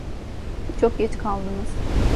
Çok geç kaldınız.